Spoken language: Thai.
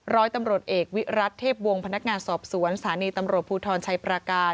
ร้อยตำรวจเอกวิรัติเทพวงศ์พนักงานสอบสวนสถานีตำรวจภูทรชัยประการ